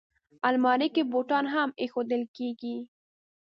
الماري کې بوټان هم ایښودل کېږي